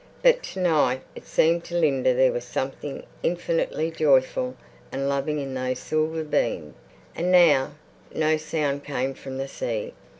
But to night it seemed to Linda there was something infinitely joyful and loving in those silver beams. And now no sound came from the sea.